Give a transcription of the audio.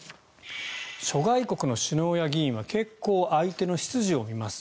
諸外国の首脳や議員は結構、相手の出自を見ます。